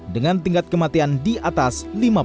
dengan tingkat kematian di atas lima puluh